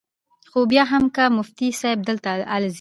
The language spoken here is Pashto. خو بیا هم کۀ مفتي صېب دلته ازلي ،